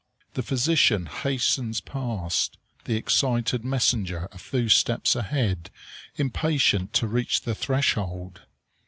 The physician hastens past, the excited messenger a few steps ahead, impatient to reach the threshold.